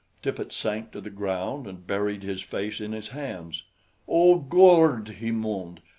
Tippet sank to the ground and buried his face in his hands. "Oh, Gord," he moaned.